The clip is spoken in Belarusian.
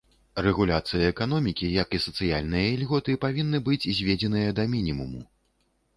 Рэгуляцыя эканомікі, як і сацыяльныя ільготы павінны быць зведзеныя да мінімуму.